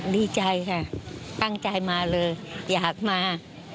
ดีใจค่ะตั้งใจมาเลยอยากมา